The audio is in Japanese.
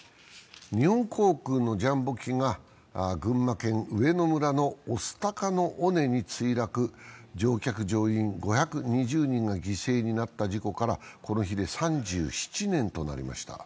日本航空のジャンボ機が群馬県上野村の御巣鷹の尾根に墜落、乗客・乗員５２０人が犠牲になった事故からこの日で３７年となりました。